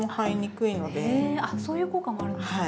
へえそういう効果もあるんですね。